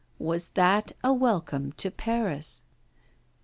Was that a welcome to Paris?